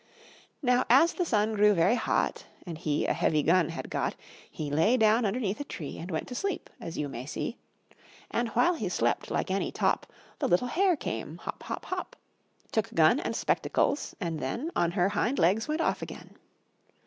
Now, as the sun grew very hot, And he a heavy gun had got, He lay down underneath a tree And went to sleep, as you may see. And, while he slept like any top, The little hare came, hop, hop, hop, Took gun and spectacles, and then On her hind legs went off again.